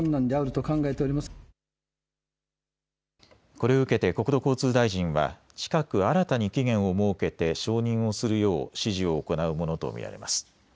これを受けて国土交通大臣は近く新たに期限を設けて承認をするよう指示を行うものと見られます。